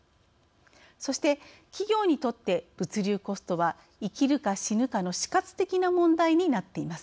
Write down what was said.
そして企業にとって物流コストは生きるか死ぬかの死活的な問題になっています。